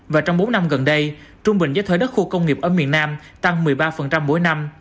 và trong bốn năm gần đây trung bình giá thuê đất khu công nghiệp ở miền nam tăng một mươi ba mỗi năm